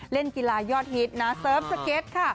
เล่นกีฬายอดฮิตนะเสริมสเก็ตค่ะ